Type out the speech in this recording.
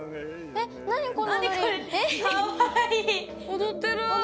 踊ってる。